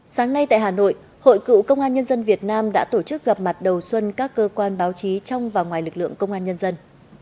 sáng nay tại hà nội hội cựu công an nhân dân việt nam đã tổ chức gặp mặt đầu xuân các cơ quan báo chí trong và ngoài lực lượng công an nhân dân